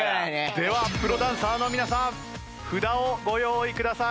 ではプロダンサーの皆さん札をご用意ください。